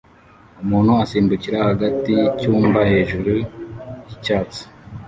Umuntu asimbukira hagati yicyumba hejuru yicyatsi